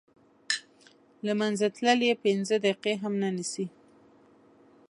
له منځه تلل یې پنځه دقیقې هم نه نیسي.